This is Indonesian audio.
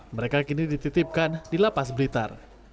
mereka kini dititipkan di lapas blitar